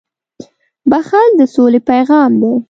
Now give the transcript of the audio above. • بښل د سولې پیغام دی.